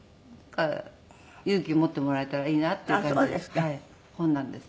勇気持ってもらえたらいいなっていう感じで本なんです。